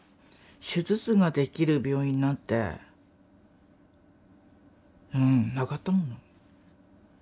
手術ができる病院なんてうんなかったもの。